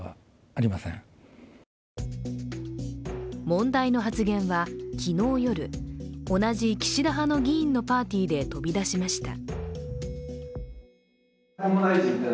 問題の発言は昨日夜同じ岸田派の議員のパーティーで飛び出しました。